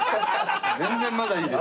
全然まだいいです。